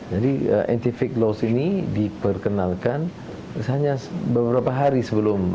jadi anti fake news ini diperkenalkan hanya beberapa hari sebelum